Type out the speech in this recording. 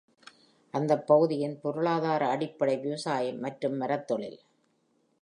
அந்தப் பகுதியின் பொருளாதார அடிப்படை, விவசாயம் மற்றும் மரத்தொழில்.